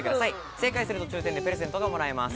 正解すると抽選でプレゼントがもらえます。